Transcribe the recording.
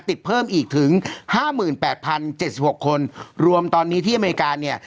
ติดเพิ่มอีกถึง๕๘๐๗๖คนรวมตอนนี้ที่อเมริกาเนี่ย